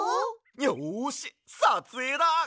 よしさつえいだ！